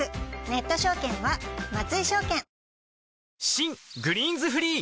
新「グリーンズフリー」